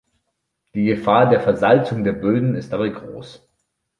Die Gefahr der Versalzung der Böden ist dabei groß.